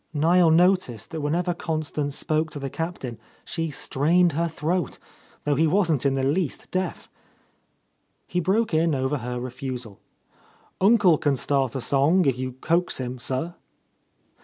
Niel noticed that whenever Constance spoke to the Captain she strained her throat, though he wasn't in the least deaf. He broke in over her refusal. "Uncle can start a song If you coax him, sir."